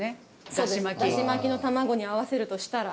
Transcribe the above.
ダシ巻きの玉子に合わせるとしたら。